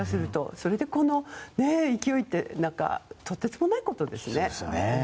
それで、この勢いって何かとてつもないことですね。